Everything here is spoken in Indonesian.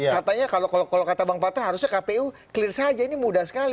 katanya kalau kata bang patra harusnya kpu clear saja ini mudah sekali